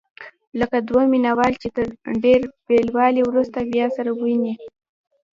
لکه دوه مینه وال چې تر ډېر بېلوالي وروسته بیا سره ویني.